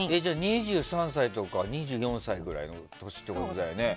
２３歳とか２４歳とかの歳ってことだよね。